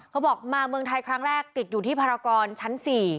เขาบอกมาเมืองไทยครั้งแรกติดอยู่ที่ภารกรชั้น๔